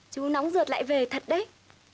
chú nóng rượt lại về thật đấy